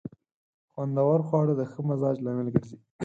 خوندور خواړه د ښه مزاج لامل ګرځي.